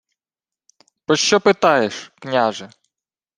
— Пощо питаєш, княже?